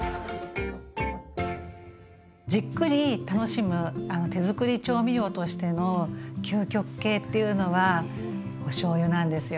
じっくり楽しむ手づくり調味料としての究極形っていうのはおしょうゆなんですよ。